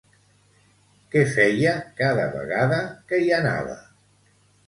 Què feia cada vegada que hi anava?